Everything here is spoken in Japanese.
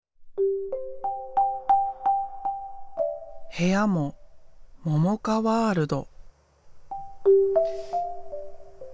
部屋もももかワールド。